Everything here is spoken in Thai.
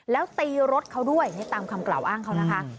แล้วตีรถเขาด้วยนี่ตามคำกล่าวอ้างเขานะคะ